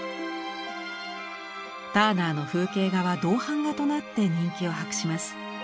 ターナーの風景画は銅版画となって人気を博します。